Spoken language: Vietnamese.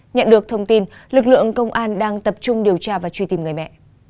nhận được thông tin lực lượng công an đang tập trung điều tra và truy tìm người mẹ